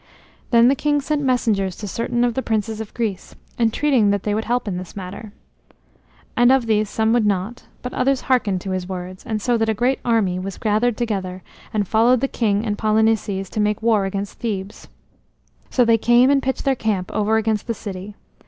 Then the king sent messengers to certain of the princes of Greece, entreating that they would help in this matter. And of these some would not, but others hearkened to his words, so that a great army was gathered together and followed the king and Polynices to make war against Thebes. So they came and pitched their camp over against the city.